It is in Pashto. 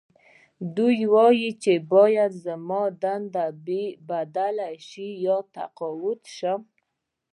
دوی وايي چې باید زما دنده بدله شي یا تقاعد شم